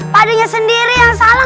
padenya sendiri yang salah